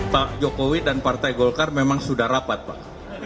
pak jokowi dan partai golkar memang sudah rapat pak